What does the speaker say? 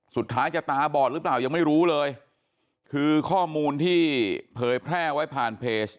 สุดท้ายจะตาบอดหรือเปล่ายังไม่รู้เลยคือข้อมูลที่เผยแพร่ไว้ผ่านเพจ